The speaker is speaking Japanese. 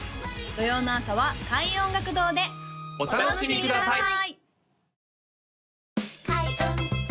土曜の朝は開運音楽堂でお楽しみください！